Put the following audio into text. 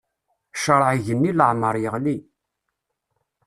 Ccṛeɛ igenni leɛmeṛ yeɣli.